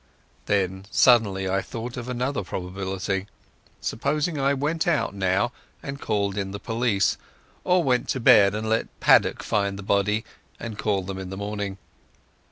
Then suddenly I thought of another probability. Supposing I went out now and called in the police, or went to bed and let Paddock find the body and call them in the morning.